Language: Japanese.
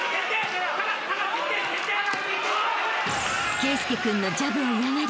［圭佑君のジャブを嫌がり］